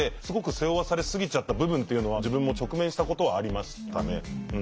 すごく背負わされすぎちゃった部分っていうのは自分も直面したことはありましたね。